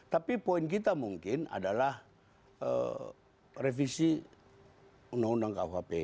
tapi poin kita mungkin adalah revisi undang undang kuhp